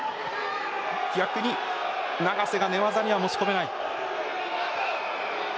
逆に永瀬が寝技には持ち込めない。